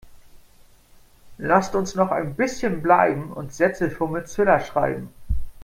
Lasst uns noch ein bisschen bleiben und Sätze für Mozilla schreiben.